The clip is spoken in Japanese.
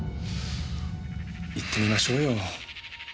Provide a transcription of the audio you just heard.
行ってみましょうよ。